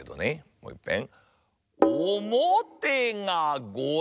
もういっぺん。